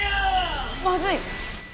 まずい！